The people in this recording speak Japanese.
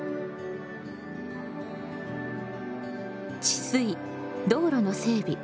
治水道路の整備